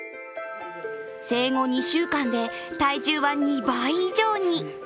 生後２週間で体重は２倍以上に。